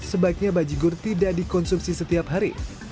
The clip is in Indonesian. sebaiknya baji gur tidak dikonsumsi setiap hari